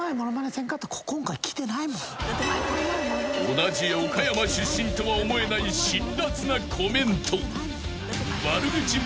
［同じ岡山出身とは思えない辛辣なコメント］